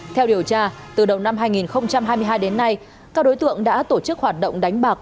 theo điều tra từ đầu năm hai nghìn hai mươi hai đến nay các đối tượng đã tổ chức hoạt động đánh bạc